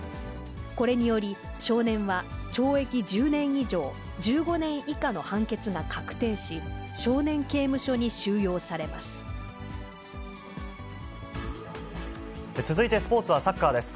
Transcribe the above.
これにより、少年は懲役１０年以上、１５年以下の判決が確定し、少年刑務所に続いてスポーツはサッカーです。